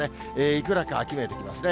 いくらか秋めいてきますね。